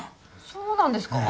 そうなんですか？